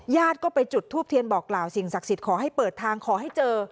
ญาติก็ไปจุดทูปเทียนบอกกล่าวสิ่งศักดิ์สิทธิ์ขอให้เปิดทางขอให้เจอ